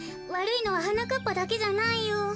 わるいのははなかっぱだけじゃないよ。